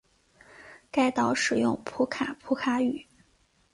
该岛使用普卡普卡语。